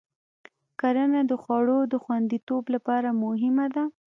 کرنه د خوړو د خوندیتوب لپاره مهمه ده.